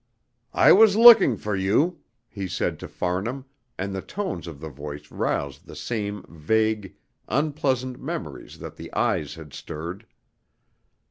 "I was looking for you," he said to Farnham, and the tones of the voice roused the same vague, unpleasant memories that the eyes had stirred.